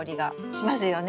しますよね。